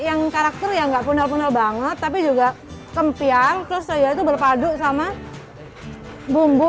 yang karakter yang gak punal punal banget tapi juga kempian terus saya itu berpadu sama bumbu